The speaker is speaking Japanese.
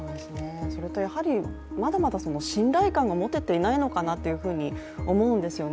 それとやはりまだまだ信頼感が持てていないのかなというふうに思うんですよね。